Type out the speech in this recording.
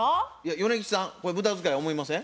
米吉さんこれ無駄遣いや思いません？